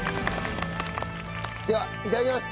ではいただきます！